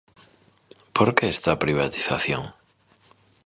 ¿Por que esta privatización?